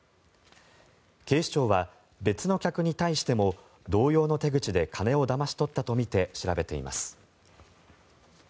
警視庁は別の客に対しても同様の手口で金をだまし取ったとみて調べています。